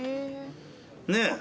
ねえ。